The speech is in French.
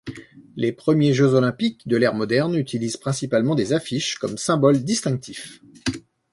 Les premiers Jeux olympiques de l'ère moderne utilisent principalement des affiches comme symboles distinctifs.